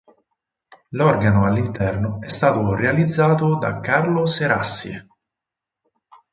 L'organo all'interno è stato realizzato da Carlo Serassi.